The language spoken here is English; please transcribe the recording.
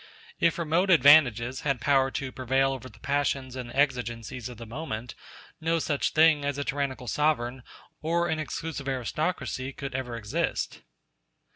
If remote advantages had power to prevail over the passions and the exigencies of the moment, no such thing as a tyrannical sovereign or an exclusive aristocracy could ever exist.